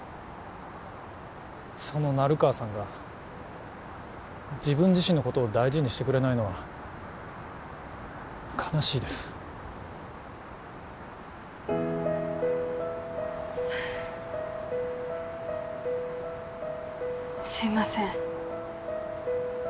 その成川さんが自分自身のことを大事にしてくれないのは悲しいですすいません